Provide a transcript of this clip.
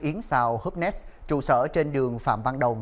yến xào húp nét trụ sở trên đường phạm văn đồng